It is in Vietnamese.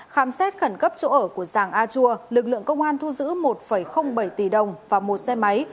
khám xét khẩn cấp chỗ ở của giàng a chua lực lượng công an thu giữ một bảy tỷ đồng và một xe máy